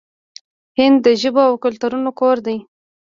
هند د ژبو او کلتورونو کور دی.